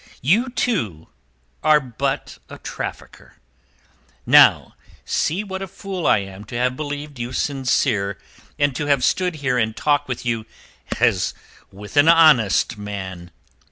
You, too, are but a trafficker. Now see what a fool I am to have believed you sincere, and to have stood here in talk with you as with an honest man."